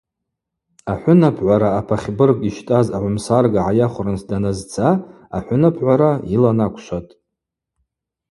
Ахӏвынапгӏвара апахьбырг йщтӏаз агӏвымсарга гӏайахвхырныс даназца ахӏвынапгӏвара йыла наквшватӏ.